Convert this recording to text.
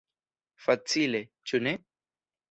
Facile, ĉu ne?